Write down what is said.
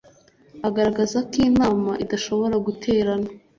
Agaragaza ko inama idashobora guterana